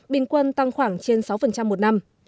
bình quân tăng khoảng trên sáu một năm